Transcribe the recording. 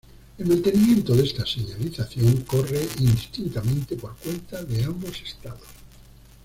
El mantenimiento de esta señalización corre indistintamente por cuenta de ambos estados.